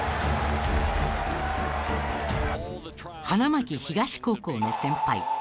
花巻東高校の先輩